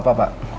mbak apa kabar